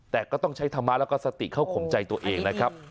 แต่ก็ต้องใช้ธรรมะแล้วก็สติเข้าขมใจตัวเองนะครับ